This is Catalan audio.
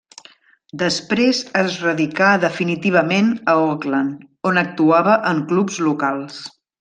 Després es radicà definitivament a Oakland, on actuava en clubs locals.